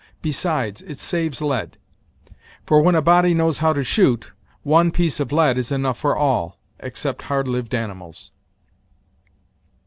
Besides, it saves lead; for, when a body knows how to shoot, one piece of lead is enough for all, except hard lived animals."